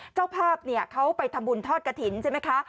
เจ้าภาพเขาไปทำบุญทอดกระถิ่นใช่ไหมคะ